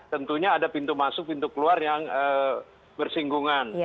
tentunya ada pintu masuk pintu keluar yang bersinggungan